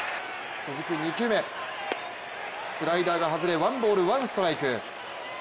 続く２球目、スライダーが外れ、１ボール１ストライク。